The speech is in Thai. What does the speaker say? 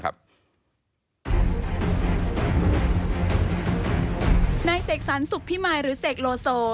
นายเสกสรรสุขพิมายหรือเสกโลโซ